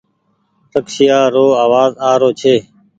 رڪسيا رو آواز آ رو ڇي۔